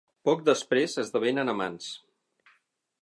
Poc després esdevenen amants.